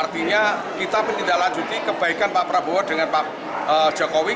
artinya kita menindaklanjuti kebaikan pak prabowo dengan pak jokowi